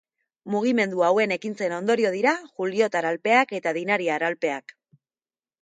Mugimendu hauen ekintzen ondorio dira Juliotar Alpeak eta Dinariar Alpeak.